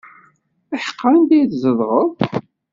Iḥeqqa, anda i tzedɣeḍ?